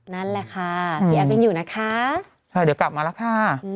พี่แอฟยังอยู่นะคะ